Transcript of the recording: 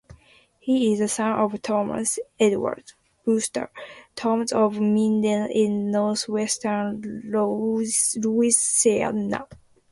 He is the son of Thomas Edward "Buster" Toms of Minden in northwestern Louisiana.